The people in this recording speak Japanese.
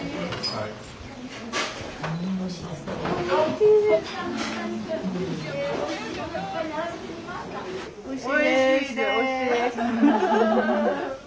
はい。